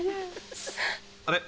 ［あれ？